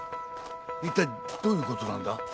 いったいどういうことなんだ。